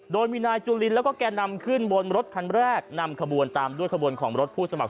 โดยมีนายจุลินแล้วก็แก่นำขึ้นบนรถคันแรกนำขบวนตามด้วยขบวนของรถผู้สมัคร